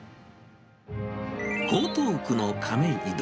江東区の亀戸。